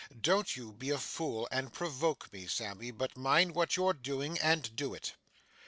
'Don't you be a fool and provoke me, Sammy, but mind what you're doing, and do it.